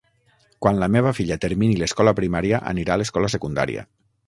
Quan la meva filla termini l'escola primària, anirà a l'escola secundària.